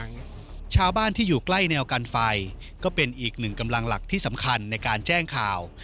ชาวบ้านที่อยู่ใกล้แนวกันไฟก็เป็นอีกหนึ่งกำลังหลักที่สำคัญในการแจ้งข่าว